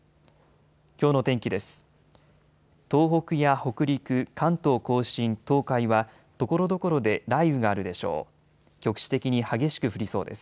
きょうの天気です。